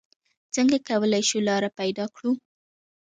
څنګه کولې شو لاره پېدا کړو؟